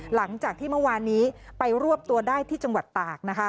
หลังจากที่เมื่อวานนี้ไปรวบตัวได้ที่จังหวัดตากนะคะ